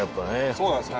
そうなんですね。